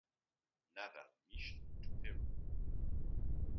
Naval Mission to Peru.